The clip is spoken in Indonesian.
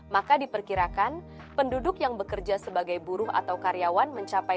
maka diperkirakan penduduk yang bekerja sebagai buruh atau karyawan mencapai